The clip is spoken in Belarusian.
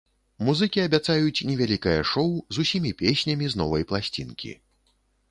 Музыкі абяцаюць невялікае шоў з усімі песнямі з новай пласцінкі.